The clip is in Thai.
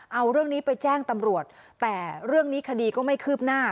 เอาเรื่องนี้ไปแจ้งตำรวจแต่เรื่องนี้คดีก็ไม่คืบหน้า